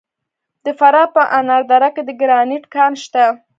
د فراه په انار دره کې د ګرانیټ کان شته.